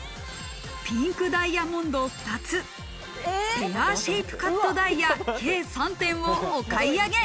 ピンクダイヤモンド２つ、ペアシェイプカットダイヤ計３点をお買い上げ。